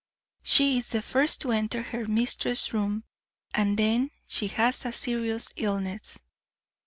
She is the first to enter her mistress's room, and then she has a serious illness.